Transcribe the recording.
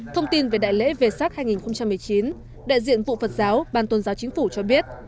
thông tin về đại lễ về sắc hai nghìn một mươi chín đại diện vụ phật giáo ban tôn giáo chính phủ cho biết